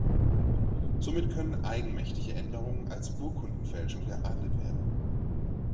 Somit können eigenmächtige Änderungen als Urkundenfälschung geahndet werden.